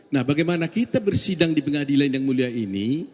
nah bagaimana kita bersidang di pengadilan yang mulia ini